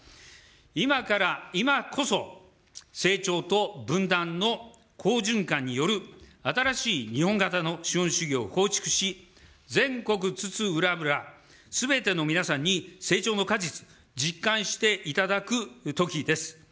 今から、今こそ、成長と分断の好循環による新しい日本型の資本主義を構築し、全国津々浦々、すべての皆さんに成長の果実、実感していただくときです。